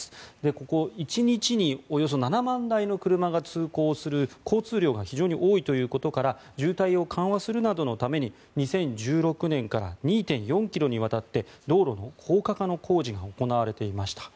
ここ、１日におよそ７万台の車が通行する交通量が非常に多いということから渋滞を緩和するなどのために２０１６年から２．４ｋｍにわたって道路の高架化の工事が行われていました。